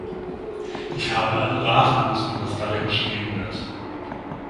Ich habe also raten müssen, was darin stehen wird.